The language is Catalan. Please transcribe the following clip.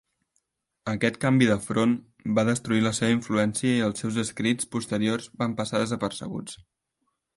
Aquest canvi de front va destruir la seva influència i els seus escrits posteriors van passar desapercebuts.